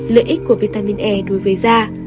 một lợi ích của vitamin e đối với da